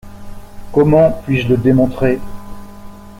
Comment puis-je le démontrer?